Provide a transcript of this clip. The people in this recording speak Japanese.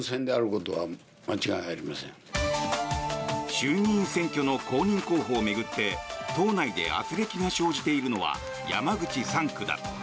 衆議院選挙の公認候補を巡って党内であつれきが生じているのは山口３区だ。